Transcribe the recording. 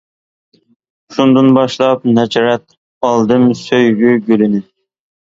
شۇندىن باشلاپ نەچچە رەت، ئالدىم سۆيگۈ گۈلىنى.